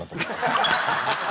ハハハハ！